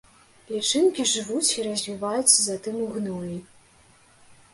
Лічынкі жывуць і развіваюцца затым у гноі.